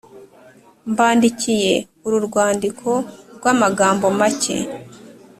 Mbandikiye uru rwandiko rw amagambo make